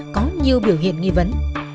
có nhiều biểu hiện nghi vấn